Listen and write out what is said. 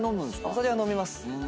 お酒は飲みます。